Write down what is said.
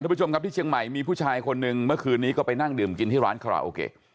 ผู้ชมครับที่เชียงใหม่มีผู้ชายคนหนึ่งเมื่อคืนนี้ก็ไปนั่งดื่มกินที่ร้านคาราโอเกะ